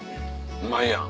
うまいやん。